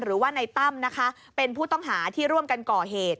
หรือว่าในตั้มนะคะเป็นผู้ต้องหาที่ร่วมกันก่อเหตุ